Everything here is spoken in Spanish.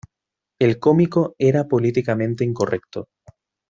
El cómico era políticamente incorrecto.